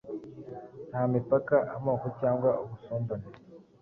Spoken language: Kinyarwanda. nta mipaka, amoko cyangwa ubusumbane;